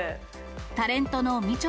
タレントのみちょ